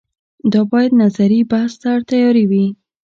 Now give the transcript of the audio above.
دا باید نظري بحث ته تیارې وي